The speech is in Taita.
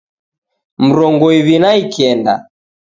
Mrongo iw'i na ikenda